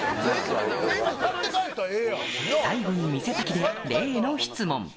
最後に店先で例の質問。